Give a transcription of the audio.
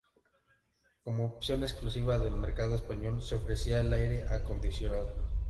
Como opción exclusiva del mercado español, se ofrecía el aire acondicionado.